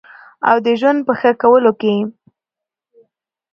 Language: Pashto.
او د ژوند په ښه کولو کې